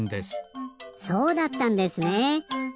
そうだったんですねえ。